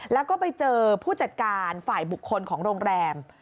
แล้วก็ไปเจอผู้จัดการฝ่ายบุคคลของโรงแรม